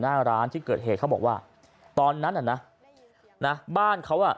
หน้าร้านที่เกิดเหตุเขาบอกว่าตอนนั้นน่ะนะบ้านเขาอ่ะ